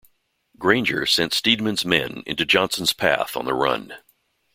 Granger sent Steedman's men into Johnson's path on the run.